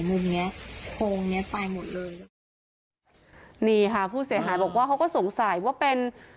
มุมเนี้ยโพงเนี้ยไปหมดเลยนี่ค่ะผู้เสียหายบอกว่าเขาก็สงสัยว่าเป็น